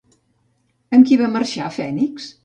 Amb qui va marxar Fènix?